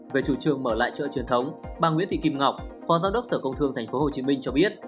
về chủ trương mở lại chợ truyền thống bà nguyễn thị kim ngọc phó giám đốc sở công thương tp hcm cho biết